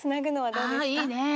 あいいね。